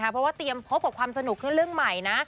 เพราะว่าเตรียมพบกับความสนุกคือเรื่องใหม่นะ